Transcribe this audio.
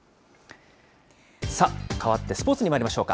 さあ、変わってスポーツにまいりましょうか。